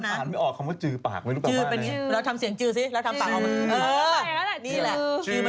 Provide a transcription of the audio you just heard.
แล้วทำเสียงจื้อสิแล้วทำปากเอามาเออนี่แหละจื้อมันเซ็กซี่